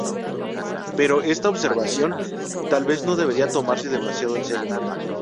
Pero esta observación tal vez no debería tomarse demasiado en serio.